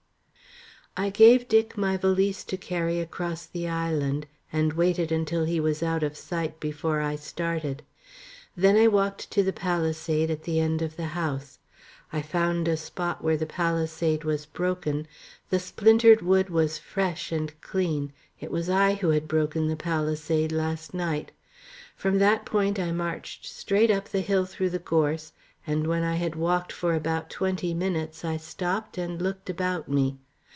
I gave Dick my valise to carry across the island, and waited until he was out of sight before I started. Then I walked to the palisade at the end of the house. I found a spot where the palisade was broken; the splintered wood was fresh and clean; it was I who had broken the palisade last night. From that point I marched straight up the hill through the gorse, and when I had walked for about twenty minutes I stopped and looked about me.